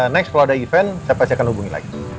next kalau ada event saya pasti akan hubungi lagi